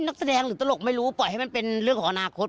นักแสดงหรือตลกไม่รู้ปล่อยให้มันเป็นเรื่องของอนาคต